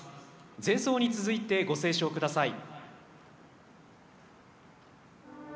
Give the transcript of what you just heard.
前奏に続いてご斉唱ください。